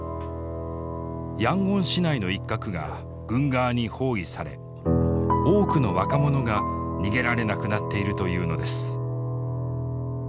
ヤンゴン市内の一角が軍側に包囲され多くの若者が逃げられなくなっているというのです。